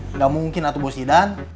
enggak mungkin atuh bosidan